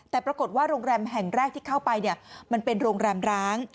แต่ปรากฏว่าโรงแรมแห่งแรกที่เข้าไปมันเป็นโรงแรมร้าง